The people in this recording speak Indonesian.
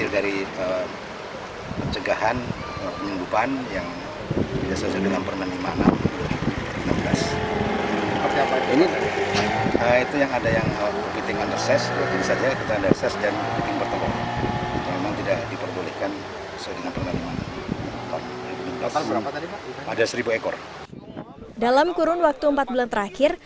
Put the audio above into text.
dalam kurun waktu empat bulan terakhir